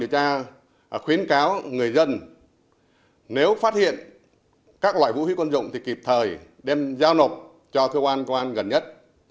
do vậy công an ninh điều tra khuyến cáo người dân nếu phát hiện các loại vũ khí quân dụng thì kịp thời đem giao nộp cho cơ quan công an gần nhất